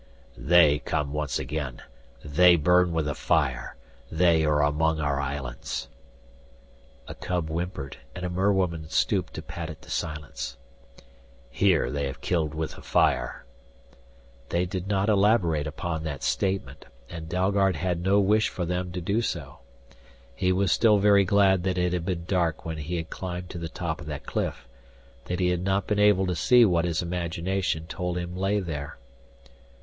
"They come once again they burn with the fire They are among our islands " A cub whimpered and a merwoman stooped to pat it to silence. "Here they have killed with the fire " They did not elaborate upon that statement, and Dalgard had no wish for them to do so. He was still very glad that it had been dark when he had climbed to the top of that cliff, that he had not been able to see what his imagination told him lay there.